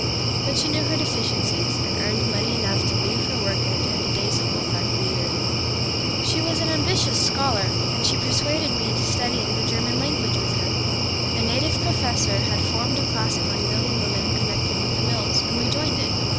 But she knew her deficiencies, and earned money enough to leave her work and attend a day school part of the year. She was an ambitious scholar, and she persuaded me into studying the German language with her. A native professor had formed a class among young women connected with the mills, and we joined it.